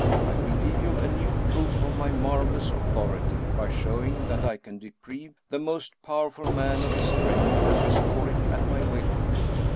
I will give you a new proof of my marvelous authority, by showing that I can deprive the most powerful man of his strength and restore it at my will.